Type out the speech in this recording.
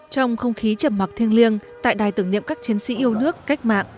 trong không khí trầm mặc thiêng liêng tại đài tưởng niệm các chiến sĩ yêu nước cách mạng